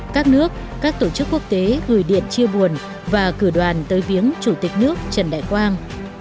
các nước các tổ chức quốc tế gửi điện chia buồn và cử đoàn tới viếng chủ tịch nước trần đại quang